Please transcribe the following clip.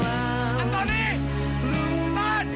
semalam aku menerima teleponnya dia